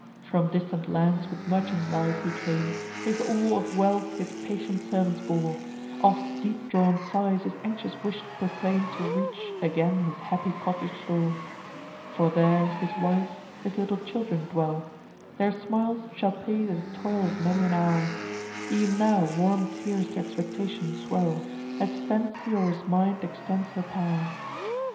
From distant lands with merchandise he came, His all of wealth his patient servants bore; Oft deep drawn sighs his anxious wish proclaim To reach, again, his happy cottage door; For there, his wife, his little children, dwell; Their smiles shall pay the toil of many an hour: Ev'n now warm tears to expectation swell, As fancy o'er his mind extends her pow'r.